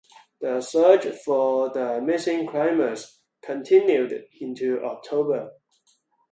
The search for the missing climbers continued into October.